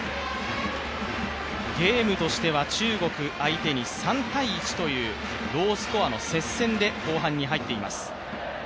ゲームとしては中国相手に３−１というロースコアの接戦で後半に入っています。